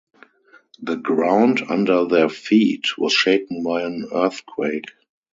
The ground under their feet was shaken by an earthquake.